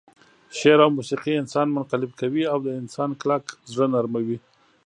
شعر او موسيقي انسان منقلب کوي او د انسان کلک زړه نرموي.